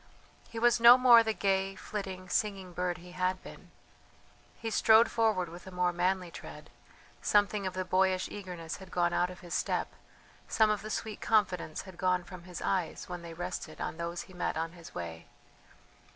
He was no more the gay, flitting, singing bird he had been. He strode forward with a more manly tread; something of the boyish eagerness had gone out of his step, some of the sweet confidence had gone from his eyes when they rested on those he met on his way.